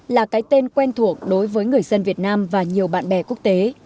là cái tên quen thuộc đối với người dân việt nam và nhiều bạn bè quốc tế